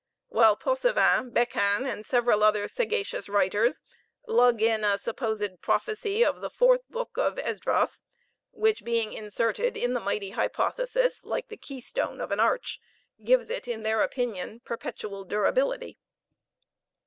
While Possevin, Becan, and several other sagacious writers lug in a supposed prophecy of the fourth book of Esdras, which being inserted in the mighty hypothesis, like the keystone of an arch, gives it, in their opinion, perpetual durability.